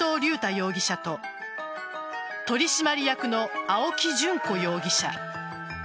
容疑者と取締役の青木淳子容疑者。